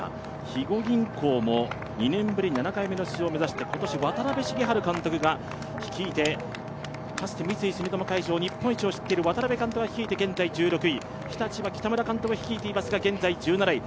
肥後銀行も２年ぶり７回目の出場を目指して今年渡辺重治監督が率いて、かつて三井住友海上、日本一を知っている渡辺監督が率いて現在１６位、日立は北村監督が率いていますが、現在１７位。